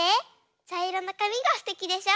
ちゃいろのかみがすてきでしょ？